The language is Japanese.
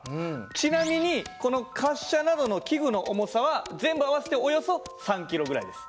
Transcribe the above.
ちなみにこの滑車などの器具の重さは全部合わせておよそ３キロぐらいです。